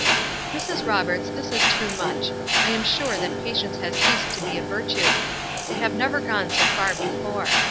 "Mrs. Roberts, this is too much. I am sure that patience has ceased to be a virtue. They have never gone so far before.